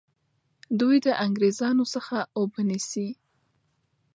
دوی د انګریزانو څخه اوبه نیسي.